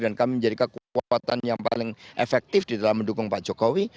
dan kami menjadi kekuatan yang paling efektif di dalam mendukung pak jokowi